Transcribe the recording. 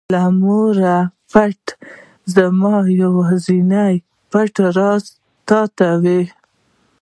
له موره پټ زما یوازینى پټ راز ته وې.